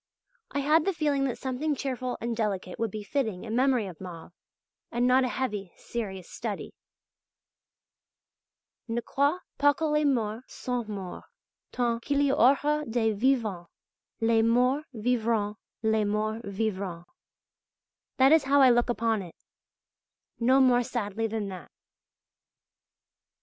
I had the feeling that something cheerful and delicate would be fitting in memory of Mauve, and not a heavy, serious study. Ne crois pas que les morts soient morts, Tant qu'il y aura des vivants Les morts vivront, les morts vivront. That is how I look upon it no more sadly than that.